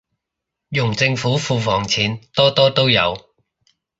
用政府庫房錢，多多都有